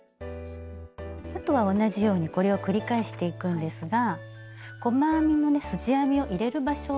あとは同じようにこれを繰り返していくんですが細編みのねすじ編みを入れる場所を間違えやすいので